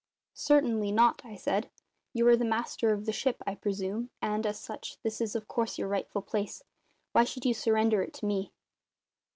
"Certainly not," I said. "You are the master of the ship, I presume, and, as such, this is of course your rightful place. Why should you surrender it to me?"